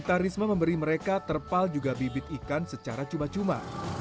arisma memberi mereka terpal juga bibit ikan secara cuma cuma